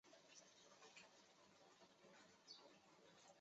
能引起溶血反应的物质称为溶血素。